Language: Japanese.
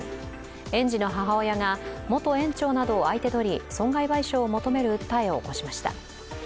園児の母親が元園長などを相手取り損害賠償を求める訴えを起こしました。